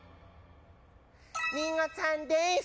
りんごちゃんです！